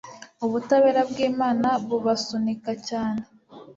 ubutabera bw'Imana bubasunika cyane